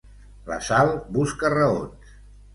La Sal busca raons.